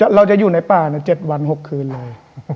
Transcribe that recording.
เราจะอยู่ในป่า๗วัน๖คืนเลย